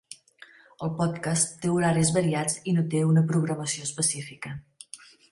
El podcast té horaris variats i no té una programació específica.